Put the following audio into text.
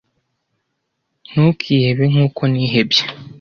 'Ntukihebe nkuko nihebye ,